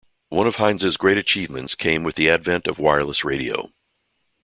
One of Heinze's great achievements came with the advent of wireless radio.